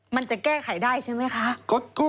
มันจะแก้ไขได้ใช่ไหมคะ